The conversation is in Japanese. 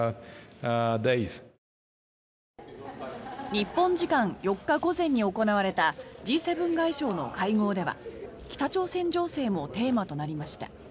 日本時間４日午前に行われたＧ７外相の会合では北朝鮮情勢もテーマとなりました。